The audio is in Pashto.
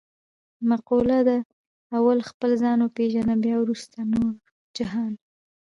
مقوله ده: اول خپل ځان و پېژنه بیا ورسته نور جهان.